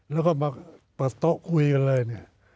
แล้วก็มาเปิดโต๊ะคุยกันเลยเนี่ย